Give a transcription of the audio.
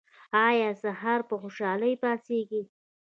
ایا سهار په خوشحالۍ پاڅیږئ؟